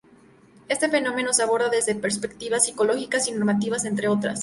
Este fenómeno se aborda desde perspectivas psicológicas y normativas, entre otras.